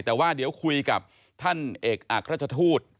แต่ว่าเดี๋ยวคุยกับท่านเอกอักราชทูต